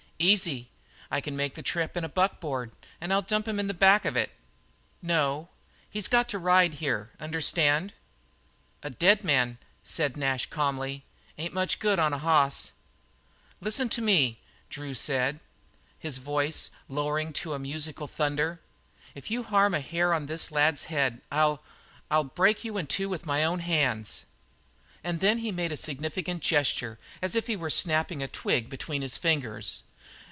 "Easy. I can make the trip in a buckboard and I'll dump him in the back of it." "No. He's got to ride here, understand?" "A dead man," said Nash calmly, "ain't much good on a hoss." "Listen to me," said Drew, his voice lowering to a sort of musical thunder, "if you harm a hair of this lad's head I'll I'll break you in two with my own hands." And he made a significant gesture as if he were snapping a twig between his fingers.